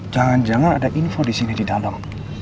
jangan jangan ada info di sini di dalam